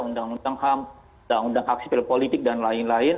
undang undang ham undang undang hak sipil politik dan lain lain